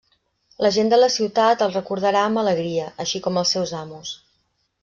La gent de la ciutat el recordarà amb alegria, així com els seus amos.